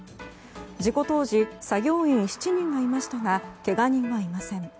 事故当時作業員７人がいましたがけが人はいません。